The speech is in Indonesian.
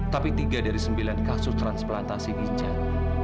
tapi tiga dari sembilan kasus transplantasi bincang